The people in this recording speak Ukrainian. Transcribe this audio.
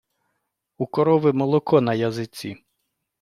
У корови молоко на язиці.